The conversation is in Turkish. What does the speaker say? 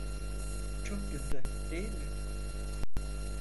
Çok kötü, değil mi?